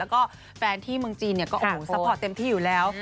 แล้วก็แฟนที่เมืองจีนก็สปอร์ตเต็มที่อยู่แล้ว